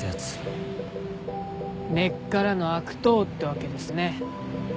根っからの悪党ってわけですね。